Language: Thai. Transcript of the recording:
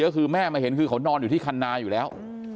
ก็คือแม่มาเห็นคือเขานอนอยู่ที่คันนาอยู่แล้ว